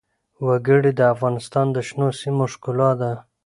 وګړي د افغانستان د شنو سیمو ښکلا ده.